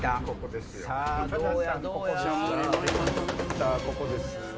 さぁここです。